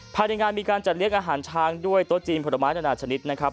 ภายในงานมีการจัดเลี้ยงอาหารช้างด้วยโต๊ะจีนผลไม้นานาชนิดนะครับ